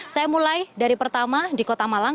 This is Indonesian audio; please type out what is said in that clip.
saya mulai dari pertama di kota malang